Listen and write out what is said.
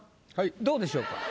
どうでしょうか？